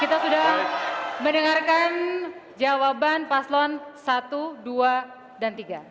kita sudah mendengarkan jawaban paslon satu dua dan tiga